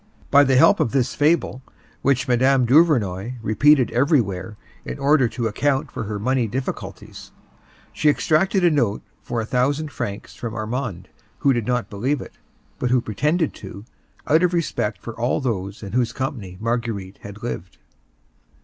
By the help of this fable, which Mme. Duvernoy repeated everywhere in order to account for her money difficulties, she extracted a note for a thousand francs from Armand, who did not believe it, but who pretended to, out of respect for all those in whose company Marguerite had lived.